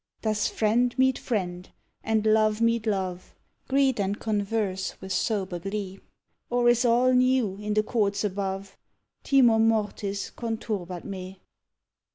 _ Does friend meet friend and love meet love, Greet and converse with sober glee, Or is all new in the courts above? _Timor mortis conturbat me.